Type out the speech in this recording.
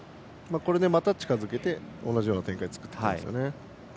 これで、また近づけて同じような展開を作っていきます。